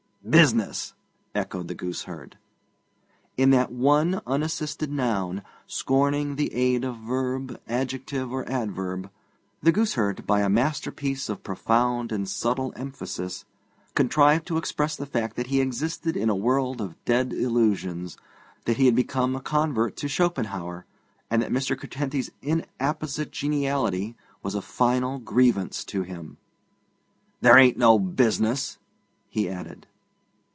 'Business!' echoed the gooseherd. In that one unassisted noun, scorning the aid of verb, adjective, or adverb, the gooseherd, by a masterpiece of profound and subtle emphasis, contrived to express the fact that he existed in a world of dead illusions, that he had become a convert to Schopenhauer, and that Mr. Curtenty's inapposite geniality was a final grievance to him. 'There ain't no business!' he added.